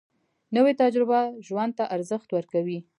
نوې تجربه ژوند ته ارزښت ورکوي